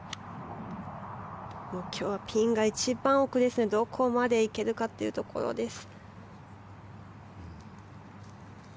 今日はピンが一番奥ですのでどこまで行けるかというところです。